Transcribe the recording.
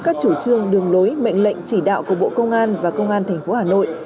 các chủ trương đường lối mệnh lệnh chỉ đạo của bộ công an và công an tp hà nội